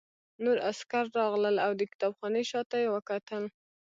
نور عسکر راغلل او د کتابخانې شاته یې وکتل